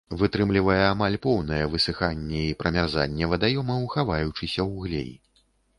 Вытрымлівае амаль поўнае высыханне і прамярзанне вадаёмаў, хаваючыся ў глей.